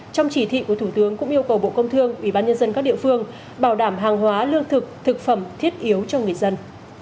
trong chỉ thị của thủ tướng cũng yêu cầu bộ công thương ủy ban nhân dân các địa phương bảo đảm hàng hóa lương thực thực phẩm thiết yếu cho người dân